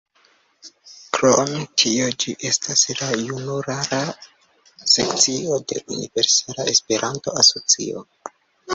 Krom tio, ĝi estas la junulara sekcio de Universala Esperanto-Asocio.